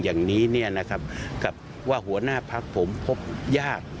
อย่างนี้เนี่ยนะครับกับว่าหัวหน้าพักผมพบยาก